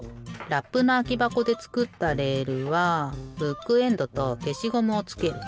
ラップのあきばこでつくったレールはブックエンドとけしゴムをつける。